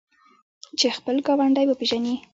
چې خپل ګاونډی وپیژني.